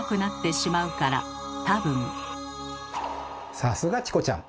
さすがチコちゃん！